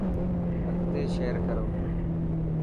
اگتي شيئر ڪرو.